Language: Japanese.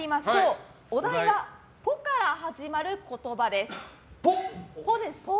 お題は「ぽ」から始まる言葉です。